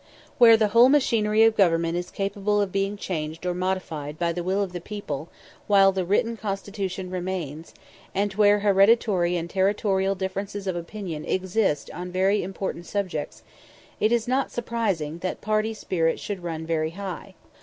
Where the whole machinery of government is capable of being changed or modified by the will of the people while the written constitution remains, and where hereditary and territorial differences of opinion exist on very important subjects, it is not surprising that party spirit should run very high.